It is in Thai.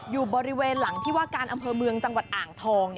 อยู่บริเวณหลังที่ว่าการอำเภอเมืองจังหวัดอ่างทอง